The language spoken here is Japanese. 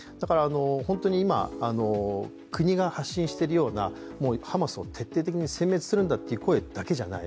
本当に今、国が発信しているようなハマスを徹底的にせん滅するんだという声だけじゃない。